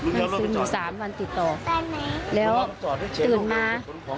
นั่งซึมอยู่สามวันติดต่อแล้วตื่นมา